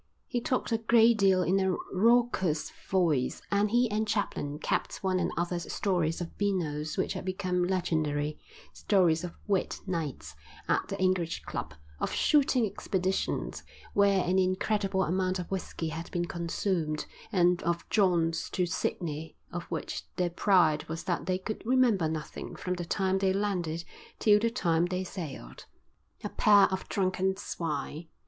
He talked a great deal in a raucous voice, and he and Chaplin capped one another's stories of beanos which had become legendary, stories of "wet" nights at the English Club, of shooting expeditions where an incredible amount of whisky had been consumed, and of jaunts to Sydney of which their pride was that they could remember nothing from the time they landed till the time they sailed. A pair of drunken swine.